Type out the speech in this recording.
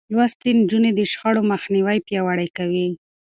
لوستې نجونې د شخړو مخنيوی پياوړی کوي.